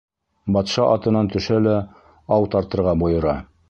Батша атынан төшә лә ау тартырға бойора.